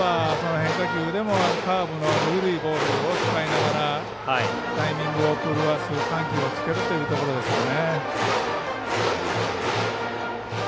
変化球でもカーブの緩いボールを使いながらタイミングを狂わす緩急をつけるということですね。